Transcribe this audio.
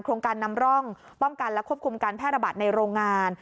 โครงการนำร่องป้องกันและควบคุมการแพร่ระบาดในโรงงาน